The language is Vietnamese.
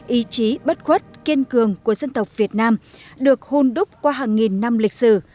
ý chí bất khuất kiên cường của dân tộc việt nam được hôn đúc qua hàng nghìn năm lịch sử